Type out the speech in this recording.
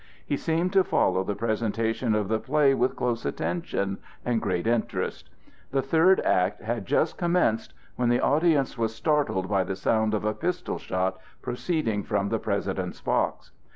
He seemed to follow the presentation of the play with close attention and great interest. The third act had just commenced, when the audience was startled by the sound of a pistol shot proceeding from the President's box.